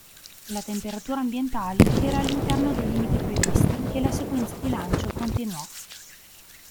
La temperatura ambientale era all'interno dei limiti previsti e la sequenza di lancio continuò.